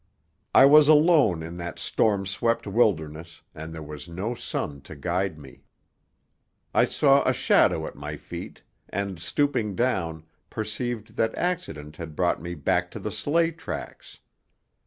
I was alone in that storm swept wilderness and there was no sun to guide me. I saw a shadow at my feet, and stooping down, perceived that accident had brought me back to the sleigh tracks.